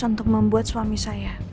untuk membuat suami saya